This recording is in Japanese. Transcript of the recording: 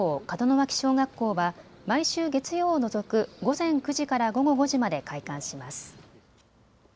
門脇小学校は毎週月曜を除く午前９時から午後５時まで開館します。